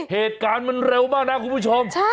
เหตุการณ์มันเร็วมากนะคุณผู้ชม